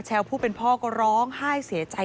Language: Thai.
พบหน้าลูกแบบเป็นร่างไร้วิญญาณ